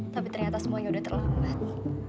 tapi ternyata semuanya udah terlambat